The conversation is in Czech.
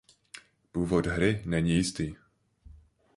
Původ Hry není jistý.